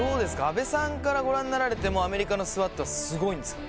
阿部さんからご覧になられてもアメリカのＳＷＡＴはすごいんですか？